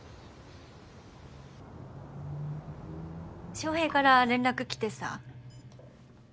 翔平から連絡来てさ。